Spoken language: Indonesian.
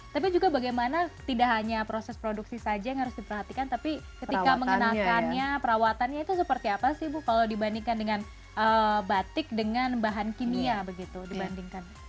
tapi juga bagaimana tidak hanya proses produksi saja yang harus diperhatikan tapi ketika mengenakannya perawatannya itu seperti apa sih bu kalau dibandingkan dengan batik dengan bahan kimia begitu dibandingkan